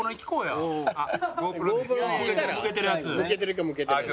むけてるかむけてないか。